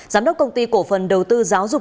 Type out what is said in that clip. giám đốc công ty cổ phần đầu tư giáo dục